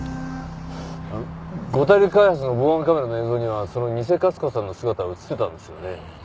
五大陸開発の防犯カメラの映像にはその偽勝子さんの姿は映ってたんですよね？